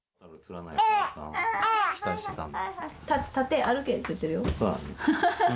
立って歩けって言ってるよ。